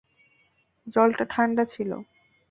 জলটা ঠান্ডা ছিলো।